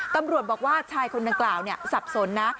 ตำรวจบอกว่าชายคนดังกล่าวสับสนนะ